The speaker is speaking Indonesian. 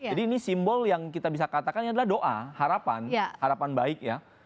jadi ini simbol yang kita bisa katakan adalah doa harapan harapan baik ya